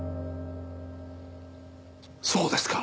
そうですか！